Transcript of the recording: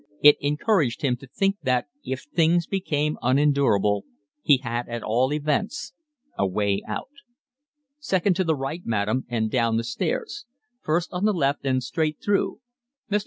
It encouraged him to think that, if things became unendurable, he had at all events a way out. "Second to the right, madam, and down the stairs. First on the left and straight through. Mr.